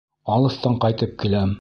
Алыҫтан ҡайтып киләм.